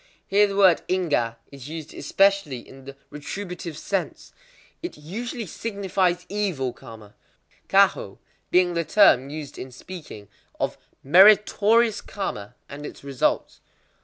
Here the word ingwa is used especially in the retributive sense. It usually signifies evil karma; kwahō being the term used in speaking of meritorious karma and its results.